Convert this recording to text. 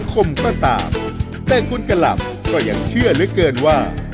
ก็อย่างเชื่อเหลือเกินว่า